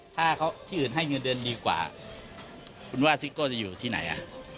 ถ้าที่อื่นให้เงินเดือนดีกว่าคุณว่าซิโก้จะอยู่ที่ไหนอ่ะ